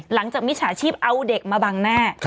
หลังจากมิจฉาชีพเอาเด็กมาบังแน่